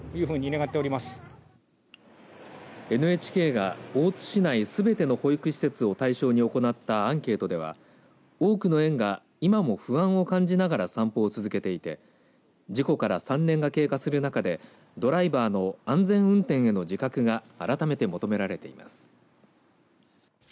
ＮＨＫが大津市内すべての保育施設を対象に行ったアンケートでは多くの園が今も不安を感じながら散歩を続けていて事故から３年が経過する中でドライバーの安全運転への自覚が改めて求められています。